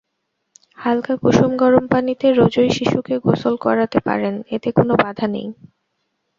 —হালকা কুসুম গরম পানিতে রোজই শিশুকে গোসল করাতে পারেন, এতে কোনো বাধা নেই।